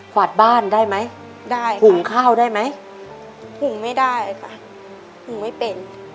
วาดบ้านได้ไหมได้หุงข้าวได้ไหมหุงไม่ได้ค่ะหุงไม่เป็น